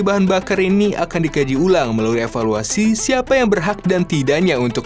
bahan bakar ini akan dikaji ulang melalui evaluasi siapa yang berhak dan tidaknya untuk